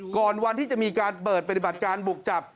ก่อนวันที่จะมีการเปิดปฏิบัติการบุกจับ